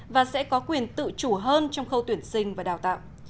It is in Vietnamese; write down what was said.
và sẽ có quyền tự chủ hơn trong khâu tuyển sinh và đào tạo